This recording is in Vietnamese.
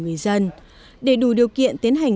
người dân để đủ điều kiện tiến hành